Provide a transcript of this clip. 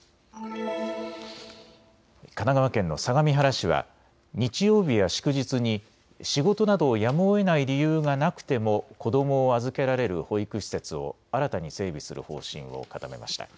神奈川県の相模原市は日曜日や祝日に仕事などやむをえない理由がなくても子どもを預けられる保育施設を新たに整備する方針を固めました。